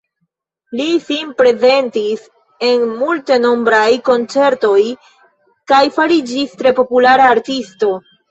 Li sin prezentis en multenombraj koncertoj kaj fariĝis tre populara artisto.